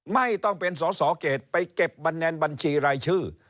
ไม่ต้องเป็นสอสอเขตไปเก็บบันแนนบัญชีรายชื่อ